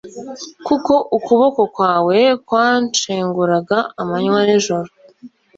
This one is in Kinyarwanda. kuko ukuboko kwawe kwanshenguraga amanywa n’ijoro